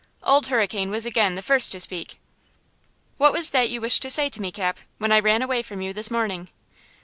Old Hurricane was again the first to speak. "What was that you wished to say to me, Cap, when I ran away from you this morning?"